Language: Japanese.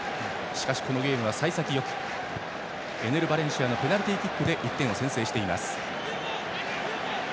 しかし、このゲームは幸先よくエネル・バレンシアのペナルティーキックで１点を先制しています。